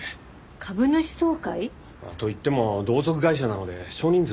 株主総会？といっても同族会社なので少人数ですが。